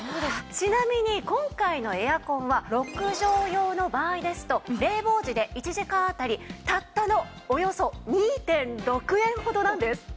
ちなみに今回のエアコンは６畳用の場合ですと冷房時で１時間あたりたったのおよそ２．６円ほどなんです。